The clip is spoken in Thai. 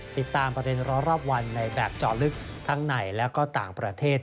ติดตามประเด็นร้อนรอบวันในแบบเจาะลึกทั้งในและก็ต่างประเทศ